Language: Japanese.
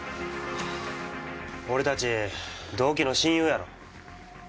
俺たち同期の親友やろ。